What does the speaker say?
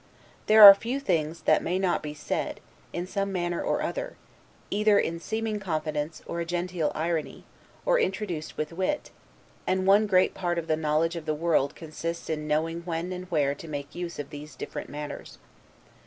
There are few things that may not be said, in some manner or other; either in a seeming confidence, or a genteel irony, or introduced with wit; and one great part of the knowledge of the world consists in knowing when and where to make use of these different manners.